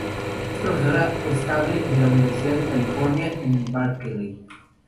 Es profesora estable de la Universidad de California en Berkeley.